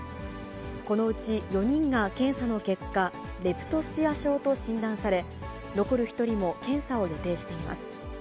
このうち４人が検査の結果、レプトスピラ症と診断され、残る１人も検査を予定しています。